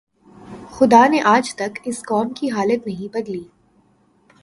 خدا نے آج تک اس قوم کی حالت نہیں بدلی